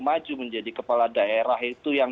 maju menjadi kepala daerah itu yang